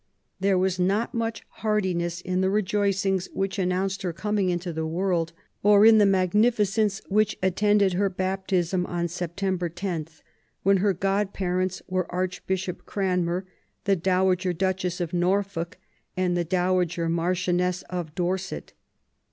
There was not much heartiness in the rejoicings which announced her coming into the world, or in the magnificence which attended her baptism on September lo, when her godparents were Archbishop Cranmer, the Dowager Duchess of Norfolk, and the Dowager Marchioness of Dorset.